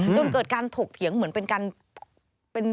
จนเกิดการถกเถียงเหมือนเป็นการ